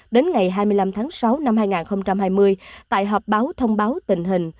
đến ngày hai mươi năm tháng sáu năm hai nghìn hai mươi tại họp báo thông báo tình hình